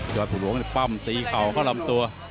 ยอดภูรวงศ์ปั้มตีเขาเข้ารำตัว